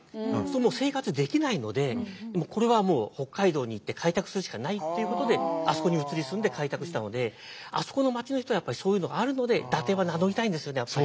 もう生活できないのでこれはもう北海道に行って開拓するしかないっていうことであそこに移り住んで開拓したのであそこの町の人はやっぱりそういうのがあるので伊達は名乗りたいんですよねやっぱり。